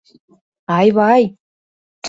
— Ай-вай!».